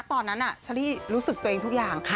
ตอนนั้นน่ะชะลีรู้สึกตัวเองทุกอย่าง